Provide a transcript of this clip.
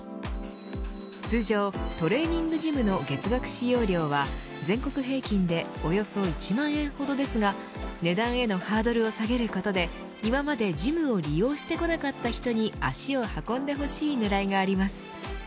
通常トレーニングジムの月額使用料は全国平均でおよそ１万円ほどですが値段へのハードルを下げることで今までジムを利用してこなかった人に足を運んでほしい狙いがあります。